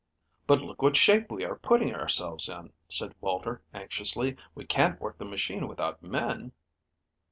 "But look what shape we are putting ourselves in," said Walter anxiously. "We can't work the machine without men."